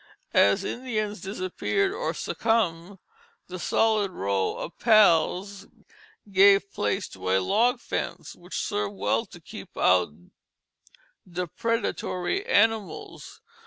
As Indians disappeared or succumbed, the solid row of pales gave place to a log fence, which served well to keep out depredatory animals.